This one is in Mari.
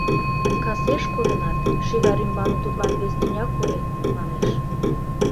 — Касеш кодынат, шӱгар ӱмбалне тудлан вес тӱня койын, манеш.